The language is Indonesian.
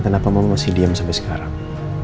kenapa mau masih diam sampai sekarang